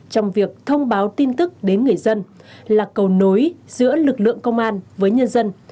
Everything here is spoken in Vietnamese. trong việc thông báo tin tức đến người dân là cầu nối giữa lực lượng công an với nhân dân